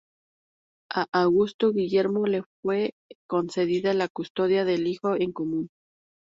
A Augusto Guillermo le fue concedida la custodia del hijo en común.